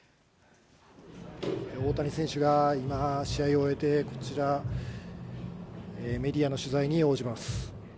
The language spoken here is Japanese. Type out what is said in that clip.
大谷選手が今、試合を終えて、こちら、メディアの取材に応じます。